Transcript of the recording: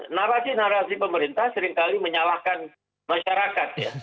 narasi narasi pemerintah seringkali menyalahkan masyarakat ya